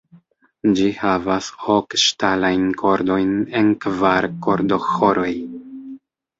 Ĝi havas ok ŝtalajn kordojn en kvar kordoĥoroj.